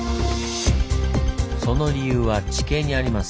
その理由は地形にあります。